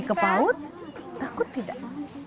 lagi kepaut takut tidak